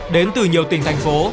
đến từ nhiều tỉnh thành phố